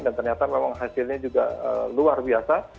dan ternyata memang hasilnya juga luar biasa